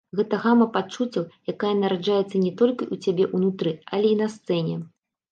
Гэта гама пачуццяў, якая нараджаецца не толькі ў цябе ўнутры, але і на сцэне.